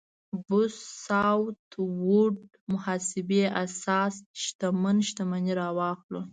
بوث ساوت ووډ محاسبې اساس شتمن شتمني راواخلو.